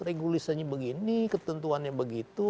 regulisannya begini ketentuannya begitu